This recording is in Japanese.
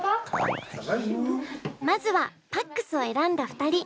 まずはＰＡＣＳを選んだ２人。